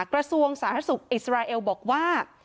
กระทรวงสาธารณสุขอิสราเอลบอกว่า